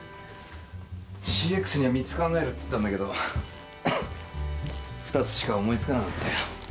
ＣＸには「三つ考える」って言ったんだけど二つしか思いつかなかったよ。